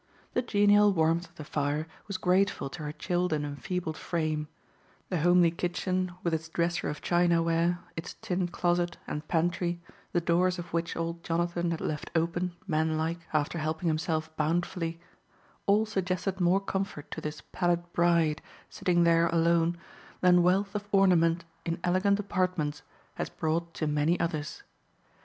The genial warmth of the fire was grateful to her chilled and enfeebled frame; the homely kitchen, with its dresser of china ware, its tin closet and pantry, the doors of which old Jonathan had left open, manlike, after helping himself "bount'fully," all suggested more comfort to this pallid bride, sitting there alone, than wealth of ornament in elegant apartments has brought to many others.